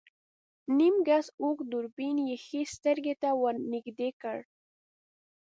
نيم ګز اوږد دوربين يې ښی سترګې ته ور نږدې کړ.